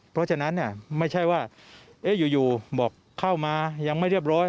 เพราะฉะนั้นไม่ใช่ว่าอยู่บอกเข้ามายังไม่เรียบร้อย